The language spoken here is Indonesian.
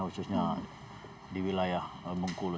khususnya di wilayah bengkulu